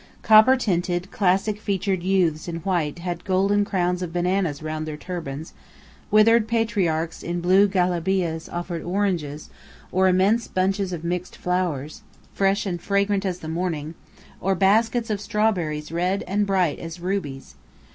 Copper tinted, classic featured youths in white had golden crowns of bananas round their turbans; withered patriarchs in blue galabeahs offered oranges, or immense bunches of mixed flowers, fresh and fragrant as the morning; or baskets of strawberries red and bright as rubies.